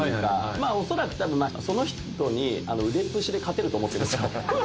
まあ恐らく多分その人に腕っ節で勝てると思ってるんですよ。